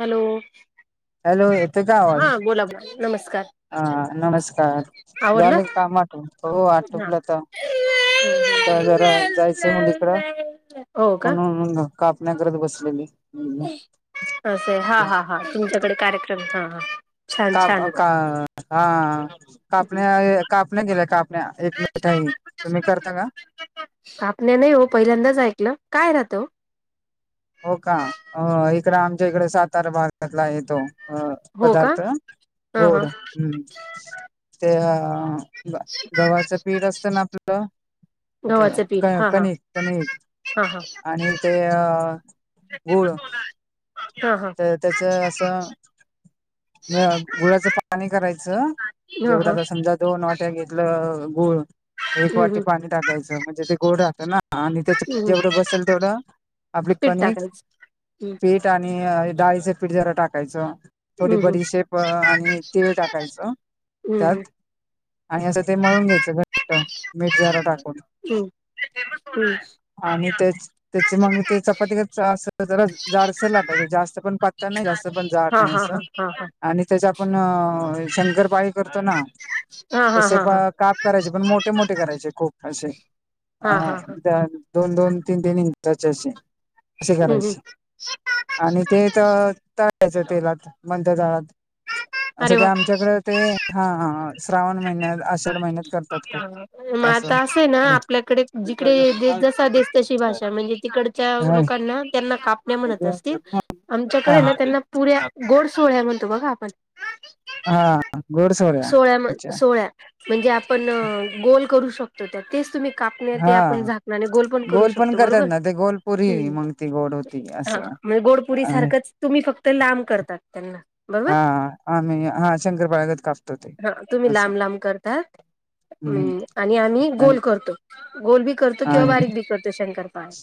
Hello hello येतोय का आवाज हा बोला बला नमस्कार. हा नमस्कार आवरलं झाले कामठ हो हा आटोपलं तर आता जरा जायचंय मुलीकड [unintelligible] हो का म्हणून कापण्या करत बसलेली. असं हा हा हा तुमच्याकडे कार्यक्रम हा हा. छान काप छान का हा कापण्या कापण्या केल्या काप एक [unintelligible] मिट आहे तुम्ही करता का सापण्या नाही हो पहिल्यांदाच ऐकलं काय राहतं. हो का इकडं आमच्या इकडे सातारा भागातला आहे तो. अ हो का पदार्थ हा गोड हा हम्म ते अ बा गव्हाचं पीठ असतं ना आपलं ते गव्हाचं पीठ हा हा कणिक कणिक. हा हा आणि ते गूळ. हा हा. तर त्याच असं म गुळाचं पाणी करायचं हा जेवढा हा त समजा दोन वाट्या घे लं गुळ एक हम्म वाटी हम्म पाणी टाकायचं म्हणजे ते गोड राहतं ना. आणि त्याच्या हम्म जेवढं बसेल तेवढं आपली पीठ कणिक टाकायचं हम्म पीठ आणि डाळीचं पीठ जरा टाकायचं. थोडी हम्म बडी शेप आणि तीळ टाकायच हम्म त्यात आणि असं ते मळून घ्यायचं घट मीठ जरा टाकून. हम. आणि त्याच त्याचे मग ते चपाती अस जरा जाडस लाट जास्त पण पत्ता नाही जास्त पण जाड हा नाही हा असं हा हा आणि त्याचा आपण शंकरपाळी करतो ना हा हा तसे हा प हा. काप करायचे पण मोठे, मोठे करायचे खूप असे अ हा हा हा [unintelligible] दोन, दोन तीन, तीन इंचाचे असे असे हम्म हम्म करायची. आणि ते तर तळायचं तेलात मध तळात असं अरे ते वा आमच्याकडे ते हा हा. श्रावण महिन्यात आषाढ महिन्यात करतात खूप मग आता असं आहे ना कासंरे आपल्याकडे जिकडे जसा देस तशी भाषा म्हणजे तिकडच्या हा लोकांना त्यांना काप म्हणत असतील आमच्याकडे ना त्यांना पुऱ्या गोड सोहळ्या म्हणतो बघा आपण. हा गोड सोड्या अच्छा. पोळ्या म्हणजे आपण अ गोल करू शकतो त्यात तेच तुम्ही कापण्या ते आपण हा झाकणाने गोल पण करू शकतो करतात बरोबर ना ते गोलपुरी ह् मग ती गोड होती हा. असं म्हणजे गोडपुरी सारखंच तुम्ही फक्त लांब करतात त्यांना बरोबर हा आम्ही हा शंकरपाळगत काप हा तुम्ही लांब लांब करत हम्म आणि आम्ही गोल करतो गोल बी करतो किंवा बारीक बी करतो शंकरपाय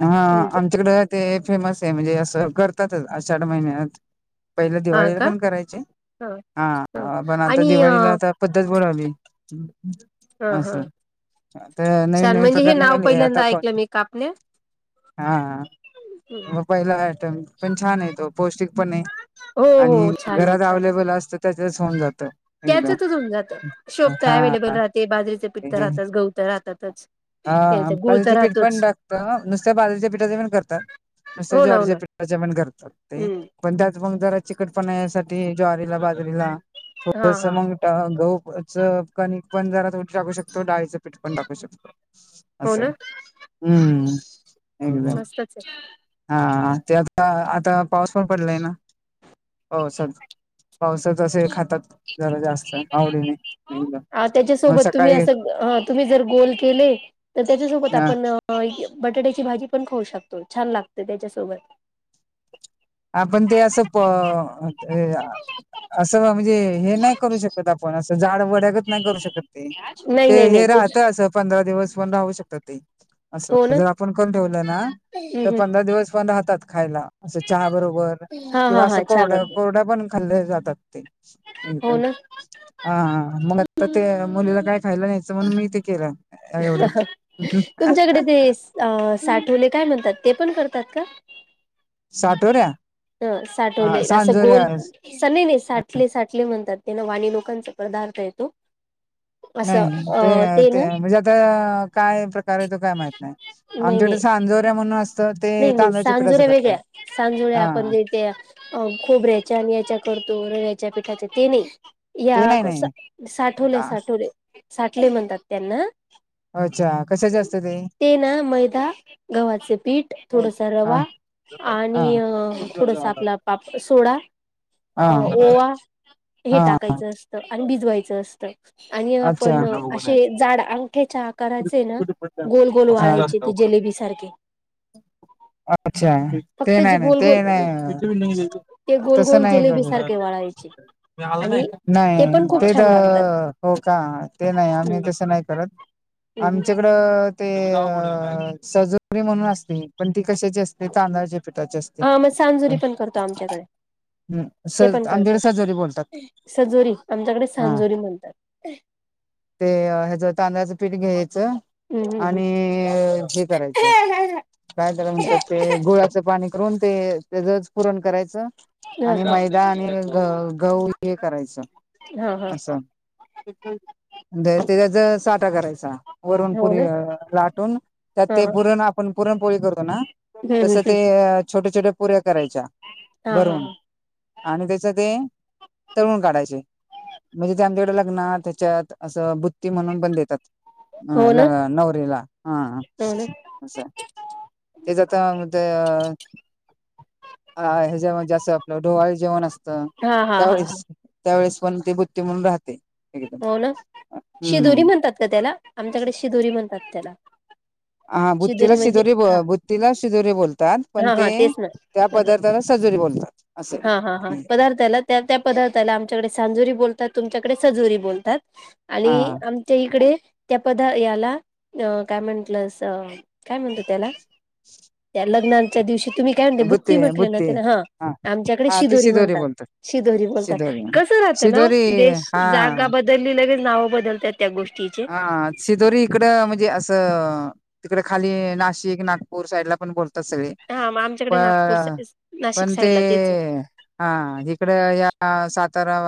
हा आमच्याकडे ते फेमस आहे म्हणजे असं करतातच आषाढ महिन्यात पहिले हा दिवाळीला का पण करायचे ह ह हा पण आता आणि अ दिवाळीला आता पद्धत बोलावी. ह असं ह ते नवीन नवीन प्रकार निघाली आता कोण? कापने हा. हम्म. पहिला आटम पण छान आहे तो पौष्टिक पण आहे आणि घरात अवलेबल असत. त्याचत होऊन जात शोभत हा अव्हेलेबल राहते बाजरीच पिठ राहतात गवत राहत. ततच. हा. पण ात नुसत्या बाजारीच्या पिठाचे पण करतात नुसत्या हो ना हो ना ज्वारीच्या पीठाचे पण करतात. ते हम्म पण त्यात मग जरा चिकटपणा यासाठी ज्वारीला बाजरीला हा थोडस हा मग गहू च कणिक पण जरा थोडी टाकू शकतो डाळयचं. ीठ पण टाकू शकतो हो असं ना आहे. हम्म एकदम मस्तच आहे हा ते आता आता पाऊस पण पडलाय ना पावसात पावसात असे खातात. जरा जास्त आवडीनेदम मण सकाळी ह तुम्ही जर गोल केले तर त्याच्यासोबत अ आपण बटाट्याची भाजी पण खाऊ शकतो छान लागते त्याच्यासोबत आपण ते असं. असं म्हणजे हे नाही करू शकत आपण असं जाड वड्यागच नाही करू शकत. नाही ते नाही नाही हे राहत असं पंधरा दिवस पण राहू शकत ते असं हो ना जर आपण करण ठेवलं ना तर हम्म पंधरा दिवस पण राहतात खायला. असं चहा बरोबर हा किंवा हा हा असं चहा कोरड्या बरोबर कोरड्या पण खाल्ल्या जातात ते हो एकदम ना हा मग आता ते मुलीला काय? खायला न्यायचं म्हण मी ते केला. तुमच्याकडे ते अ साठवले काय म्हणतात ते पण करतात का? साठवऱ्या साठवले असं गोल अस नाही नाही साठले साठ ले म्हणतात तेना वाणी लोकांचा पदार्थ येतो. असं नाही ते अ ना ते म्हणजे आता काय प्रकार आहे तो काय माहित नाही. नाही आमच्याकडे नाही स अांजोऱ्या म्हणून अस. नाही नाही सांजुळ्या वेगळ्या सांजुळे्या आपण हा जेथ अ खोबऱ्याच्या आणि याच्या करतो र या्याच्या पिठाचे ते नाही. ते या नाही नाही. साठवले आ साठवले साठले म्हणतात त्यांना अच्छा कशाचे असते ते ना मैदा गव्हाचे पीठ हा थोडसा हा. रवा आणि हा हा थोडसा आपला पाप सोडा अ ओवा हे टाकायचं. आणि भिजवायच असत आणि अच्छा. आपण हां. असेड अंगठ्या करायचय ना गोल गोल वाळायचे ते जेलेबी सारखे अच्छा. ते फक्त जे नाही नाही गोल ते गोल नाही ते गोल तस गोल नाही कर. जिलेबी सारखे वाळायचे आणि नाही पण नाही ते खूप छान तर लागतात हो का ते नाही आम्ही तसं नाही करत. हम् आमच्याकडे ते सजरी म्हणून असते पण ती कशाची असते तांदळाच्या पिठाची असते. हा मग सांजुरी पण करतो, आमच्याकडे स ते पण आमच्याकडे करतात. सजोरी बोलतात सजोरी आमच्याकडे हा सांजोरी म्हणतात. ते ह्याच तांदळाचं पीठ घ्यायचं हम् हम् आणि हे ह करायचं काय त्याला ह म्हणत्यात ते गुळाचं पाणी? करून ते त्याचच पूरण करायचं आणि मैदा आणि ग गहू हे करायचं हा हा असं ते त्याचा च साठा करायचा. वरून हो पुरी ना लाटून त्यात हा ते हा पुरण आपण पुरणपोळी करतो ना, तस हम्म ते हम् छोट्या छोट्या पुऱ्या करायच्या हा हा भरवून आणि त्याच ते तळुण काढायचे. म्हणजे ते आमच्याकडें लग्नात, हेच्यात असं बुत्ती म्हणून पण देतात. हा हो ना लग्नात नवरीला हा. हो ना असं ते ज आता अ. हा ह्याच्यामध्ये जासं आपलं ढोवळे जेवण असतं. हा हा हा हा त्यावेळेस त्यावेळेस पण ते बुत्ती म्हणून राहते. एकदम हो ना शिदोरी हम्म म्हणतात का त्याला? आमच्याकडे शिदोरी म्हणतात त्याला हा बुद्तीीला म्हणजे शिदोरी ब हा बुत्तीला शिदोरी बोलतात पण हा ते हा तेच ना त्या हा हा पदार्थला सजुरी बोलतात. असे हा हा हा. पण जर त्याला च त्या त्या पदार्थाला आमच्याकडे सांजुरी बोलतात, तुमच्याकडे सजुरी बोलतात. हा आणि आमच्या इकडे त्या पदा याला अ काय म्हणटलस काय म्हणतो त्या? त्या लग्नांच्या दिवशी तुम्ही काय म्हणले बुत्ती म्हटले ना? त्या हा आमच्याकडे हा ती शिदोरी म्हणतात बोलतात. शिधोरी बोलतात शिदोरी कसं राहतं ना ओ शिदोरी देश, हा जागा बदलली, लगेच नावं बदलतात. त्या गोष्टीचे हा. सिदोरी इकड म्हणजे असं तिकड, खाली नाशिक नागपूर साईड ला पण बोलतो. तस हा मग प आमच्याकडे नागपूर नाशिक पण ते साईडला तेच हा इकडं या सातारा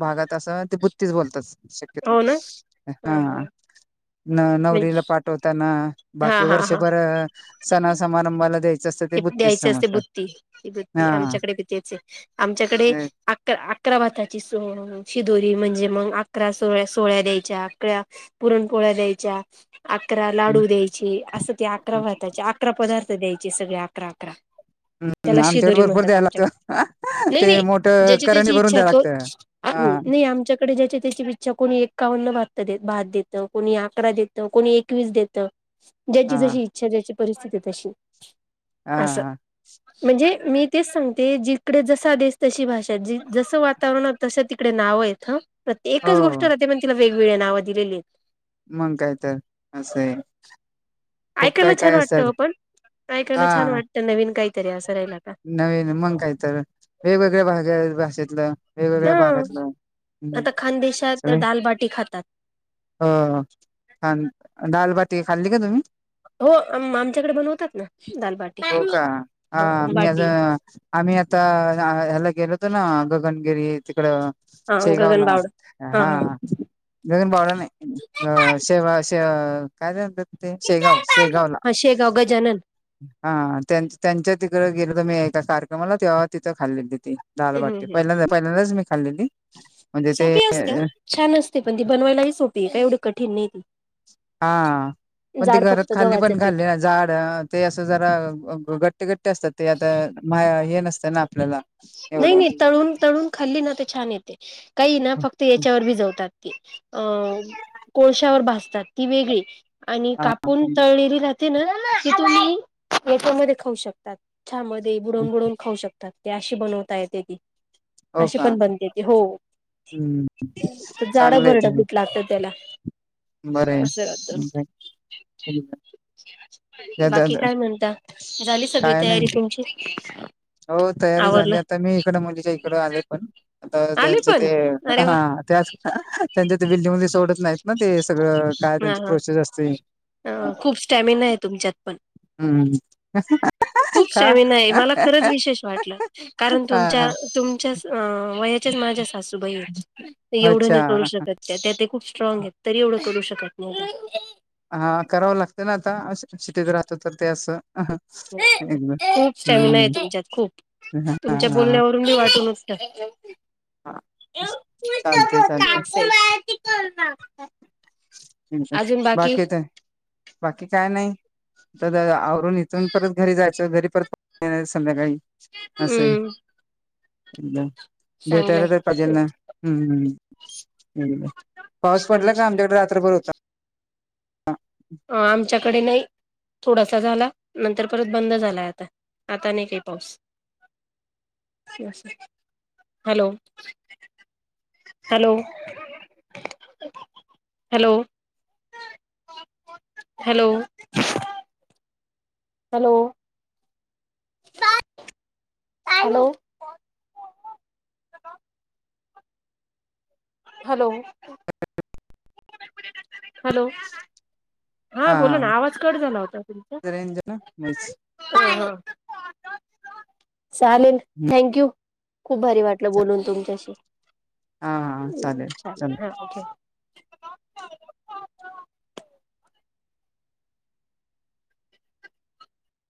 भागात असं ते बुत्तीच बोलतात. शक्यतो हो ना हा हा. न नवरीला पाठवताना हा बाकी हा हा वर्षभर सणा समारंभाला द्याय ते द्यायची असते, बुत्ती ती बुत्ती हा आमच्याकडे बी तेच हाय आमच्याकडे अकरा भाताची स शिदोरी म्हणजे, मग अकरा सोळ्या सोळ्या द्यायच्या अकरा पुरणपोळ्या द्यायच्या अकरा लाडू द्यायचे, असं ते अकरा भाताचे अकरा पदार्थ द्यायचे सगळे आकरा, आकरा त्याला हम्म आमच्याकडे शिदोरी भरपूर म्हणतात द्यायला आमच्या लागतं कड नाही ते नाही मोठं ज्याची करणी त्याची भरून इच्छा द्याय लागतं. हा सोड नाही आ आमच्यात कडे ज्याची त्याची ईच्छा, कोणी एकावन्न भ भात देतं, कोणी अकरा, देतं कोणी एकवीस देतं ज्याची हा जशी इच्छा ज्याची परिस्थिती तशी हा आस हा म्हणजे मी तेच सांगते जिकडं, जसा देश तशी भाषा जसं वाट वातावरणात तस तिकडे नावं आहेत, पण एकच गोष्ट हो राहते पण तिला वेगवेगळे नावं दिलेली आहेत. मग काय तर आस ए? ऐकायला छान वाटतं, ओ पण ऐकायला छान हा वाटतं नवीन काहीतरी असं राहिला का? नवीन मंग काहीतर वेगवेगळ्या भाग भाषेतलं वेगवेगळ्या हं भागातलं हम्म आता खानदेशात सगळे दालबाटी खातात हो छान डालबाटी खाल्ली का तुम्ही? हो आमच्याकडे बनवतात ना दालबाटी, हो का मी आज बाटी हा आम्ही आता ह्याला गेलो होतो, ना गगनगिरी तिकडं शेगावला हा. गगनबावडा नाही, अं शेेवाग शे कायतर म्हणत्यात ते शेगाव, शेगाव ला हा शेगाव गजानन हा त्यां त्यांच्या तिकडं गेलो होतो मी एका कार्यक्रमाला तेव्हा तिथं खाल्लेली ती दाल हं बाटी हं. पहिल्यांदा पहिल्यांदाच मी खाल्लेली म्हणजे ते सोपी असते ओ छान असते पण ती बनवायलाही सोपी आहे काय एवढी कठीण नाही ती हा पण ते जाड घरात फक्त खाल्ली गव्हाचं पण पीठ खाल्ली जाड ते असं जरा गट्टे गट्टे असतात ते आता माया हे नसतं ना आपल्याला नाही एवढं नाही तळून तळून खाल्ली ना ते छान येते काये ना फक्त याच्यावर भिजवतात ते अ कोळश्यावर भाजतात ती वेगळी आणि हा कापून तळलेली राहतेे ना ती तुम्ही हेच्यामध्ये खाऊ शकताात छा मध्ये बुडवून बुडवून खाऊ शकतात ती अशी बनवता येते ती हो अशी का पण बनते ती हो हम्म जाडं भरडं पिठ लागतं त्याला बरंय असं राहतं बाकी काय म्हणता झाली सगळी काय तयारी नाही तुमची हो तयारी झाली आवरलं आता मी इकडं मुलीच्या इकडं आलोय पण आता आले त्यांचं पण ते अरे वा हा त्यात त्यांच्या ते बिल्डिंग मध्ये सोडत नाहीत ना ते सगळं काय त्यांचे प्रोसेस असते अ खूप स्टॅमिना आहे तुमच्यात पण हम्म खूप का स्टॅमिना आहे हा मला खरंच विशेष वाटलं कारण तुमच्या हा तुमच्या अ वयाच्याच माझ्या सासूबाई आहेत एवढं अच्छा नाही करू शकत त्या ते खूप स्ट्रांग आहेत तरी एवढं करू शकत नाही त्या हा करावं लागतं ना आता शिटीत राहतो तर ते असं एकदम खूप स्टॅमिना आहे हम्म तुमच्यात खूप हा तुमच्या हा बोलण्याव रूनच वाटूनच हा चालते चालते [inaudible] बाकी ते बाकी काय नाही तर आवरून इथून परत घरी जायचं घरी परत येणार संध्याकाळी, असं आहे हम्म भेटायला चांगलंय तर पाजेल ना, हंम, हंम, पाऊस छान पडला का छान. आमच्याकड डबल होता अ, आमच्याकडे नाही थोडासा झाला, नंतर परत बंद झालाय आता, आता नाई काही पाऊस. Hello hello, hello hello hello सात हॅलो हॅलो हॅलो [unintelligible] हा बोला ना आवाज कट झाला होता ओ तुमचा रेंज ना मच हा हा चालेल थँंक यू खूप भारी वाटलं बोलून तुमच्याशी हा हा चालेल चालेल अच्छा